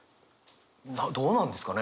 どうなんですかね？